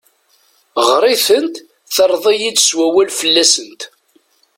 Ɣer-itent terreḍ-iyi-d s wawal fell-asent.